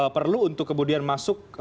perlu untuk kemudian masuk